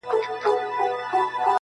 o او درد د حقيقت برخه ده,